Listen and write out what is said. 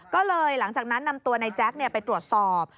ก็เลยหลังจากนั้นนำตัวนายแจ๊คไปตรวจสอบ